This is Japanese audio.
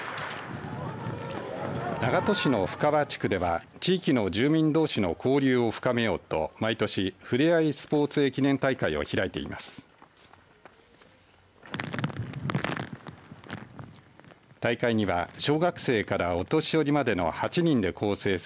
長門市の深川地区では地域の住民どうしの交流を深めようと毎年ふれあいスポーツ駅伝大会を開いています。